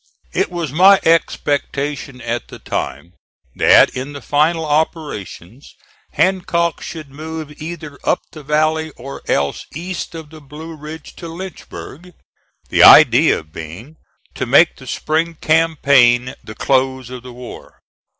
It was my expectation, at the time, that in the final operations Hancock should move either up the valley, or else east of the Blue Ridge to Lynchburg; the idea being to make the spring campaign the close of the war.